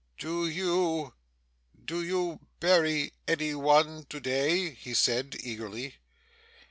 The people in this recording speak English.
'Do you do you bury any one to day?' he said, eagerly.